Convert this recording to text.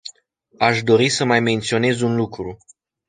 Aș dori să mai menționez un lucru.